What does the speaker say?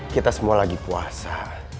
kita semua lagi puasa